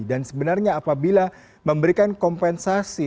dan sebenarnya apabila memberikan kompensasi